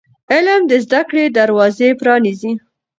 علم د زده کړې دروازې پرانیزي.